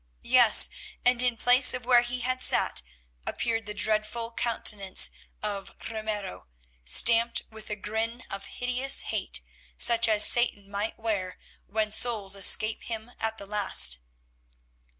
Yes, and in place of where he had sat appeared the dreadful countenance of Ramiro, stamped with a grin of hideous hate such as Satan might wear when souls escape him at the last.